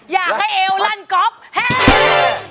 อยากให้เอวลั่นก๊อบแฮ่